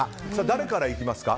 誰からいきますか？